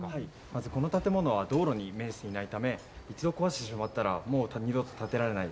まず、この建物は道路に面していないため一度壊してしまったらもう二度と建てられない。